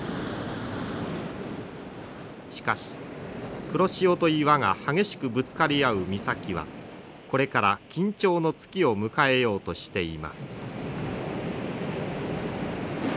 しかし黒潮と岩が激しくぶつかり合う岬はこれから緊張の月を迎えようとしています。